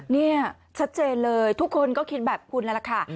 เนี่ยชัดเจนเลยทุกคนก็คิดแบบคุณแล้วล่ะค่ะ